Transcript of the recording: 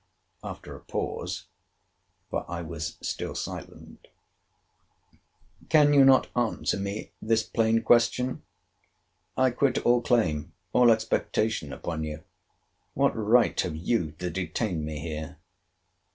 After a pause—for I was still silent: Can you not answer me this plain question?—I quit all claim, all expectation, upon you—what right have you to detain me here?